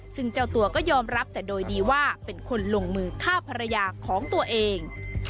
ซึ่งเจ้าตัวก็ยอมรับแต่โดยดีว่าเป็นคนลงมือฆ่าภรรยาของตัวเอง